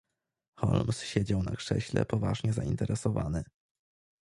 "Holmes siedział na krześle poważnie zainteresowany."